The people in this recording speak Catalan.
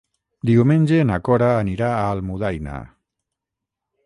Diumenge na Cora anirà a Almudaina.